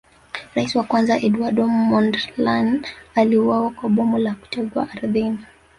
Rais wa kwanza Eduardo Mondlane aliuawa kwa bomu la kutegwa ardhini